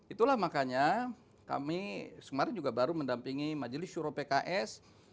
itulah makanya kami kemarin juga baru mendampingi majelis syuro pks